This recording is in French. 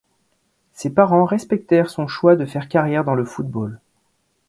Ses parents respectèrent son choix de faire carrière dans le football.